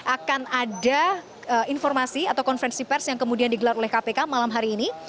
akan ada informasi atau konferensi pers yang kemudian digelar oleh kpk malam hari ini